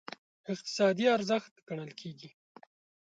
اقتصادي ارزښت ګڼل کېږي.